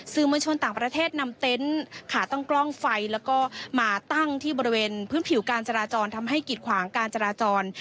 มวลชนต่างประเทศนำเต็นต์ขาตั้งกล้องไฟแล้วก็มาตั้งที่บริเวณพื้นผิวการจราจรทำให้กิดขวางการจราจร